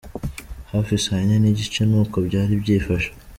Hafi Saa yine n'igice ni uku byari byifashe.